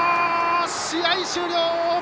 試合終了！